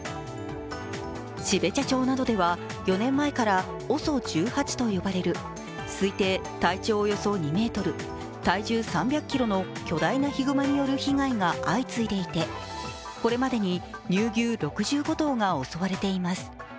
標茶町などでは４年前からＯＳＯ１８と呼ばれる推定、体長およそ２メートル体重３００ｋｇの巨大なヒグマによる被害が相次いでいて、これまでに乳牛６５頭が襲われています。